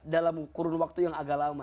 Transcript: dalam kurun waktu yang agak lama